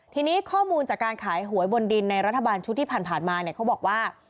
ทีนี้ข้อมูลจากการขายหวยบนดินในรัฐบาลชุดที่ผ่านมาเนี่ยเขาบอกว่า